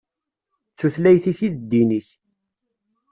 D tutlayt-ik i d ddin-ik.